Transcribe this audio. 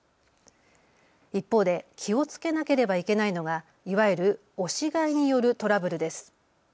一方で気をつけなければいけないのがいわゆる押し買いによるトラブルです。